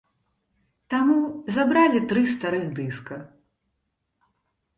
Таму забралі тры старых дыска.